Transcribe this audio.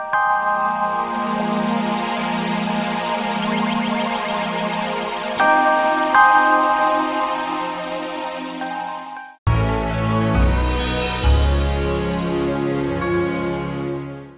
kalo oki cemburu